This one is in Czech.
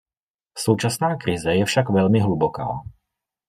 Současná krize je však velmi hluboká.